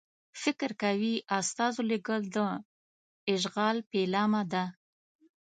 فکر کوي استازو لېږل د اشغال پیلامه ده.